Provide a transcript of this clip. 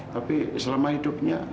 tapi selama hidupnya